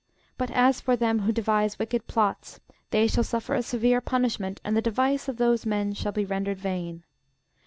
But as for them who devise wicked plots, they shall suffer a severe punishment; and the device of those men shall be rendered vain.